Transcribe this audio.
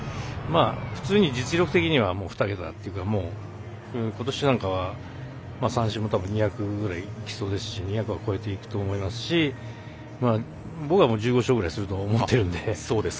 普通に実力的には２桁っていうかことしなんかは三振もたぶん２００ぐらいいきそうですし２００は超えていくと思いますし僕は１５勝ぐらいすると思っているので。